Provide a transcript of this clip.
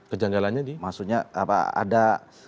kejanggalannya di maksudnya ada